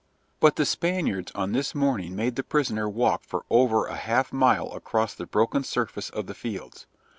But the Spaniards on this morning made the prisoner walk for over a half mile across the broken surface of the fields.